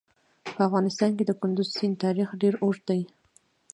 په افغانستان کې د کندز سیند تاریخ ډېر اوږد دی.